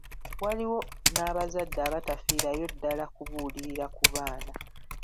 Waliwo n'abazadde abatafiirayo ddala kubuulirira ku baana.